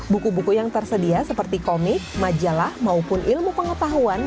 buku buku yang tersedia seperti komik majalah maupun ilmu pengetahuan